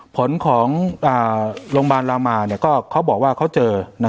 ผลของโรงพยาบาลรามาก็เขาบอกว่าเขาเจอ